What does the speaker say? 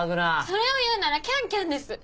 それをいうなら「キャンキャン」です！